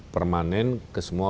permanen ke semua